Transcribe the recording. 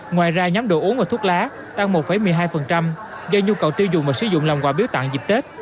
ngoài ra nhóm đồ uống và thuốc lá tăng một một mươi hai do nhu cầu tiêu dùng và sử dụng làm quà biếu tặng dịp tết